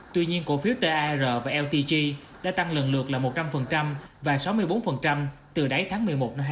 tuy nhiên cổ phiếu tar và ltg đã tăng lần lượt là một trăm linh và sáu mươi bốn từ đáy tháng một mươi một năm hai nghìn hai mươi